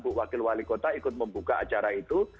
bu wakil wali kota ikut membuka acara itu